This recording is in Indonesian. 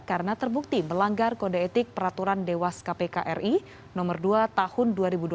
karena terbukti melanggar kode etik peraturan dewas kpk ri no dua tahun dua ribu dua puluh